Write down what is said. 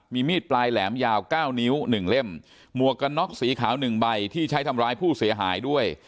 มีมีดปลายแหลมยาวเก้านิ้วหนึ่งเล่มหมวกกันน็อกสีขาวหนึ่งใบที่ใช้ทำร้ายผู้เสียหายด้วย